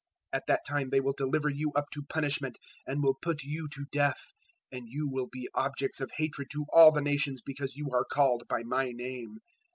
024:009 "At that time they will deliver you up to punishment and will put you to death; and you will be objects of hatred to all the nations because you are called by my name.